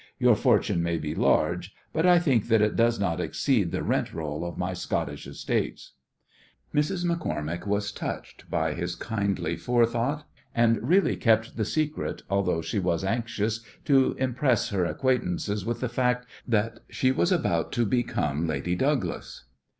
Your fortune may be large, but I think that it does not exceed the rent roll of my Scottish estates." Mrs. MacCormack was touched by his kindly forethought, and really kept the secret, although she was anxious to impress her acquaintances with the fact that she was about to become "Lady Douglas."